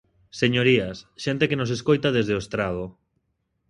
Señorías, xente que nos escoita desde o estrado.